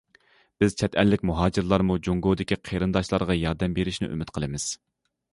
بىز چەت ئەللىك مۇھاجىرلارمۇ جۇڭگودىكى قېرىنداشلارغا ياردەم بېرىشنى ئۈمىد قىلىمىز.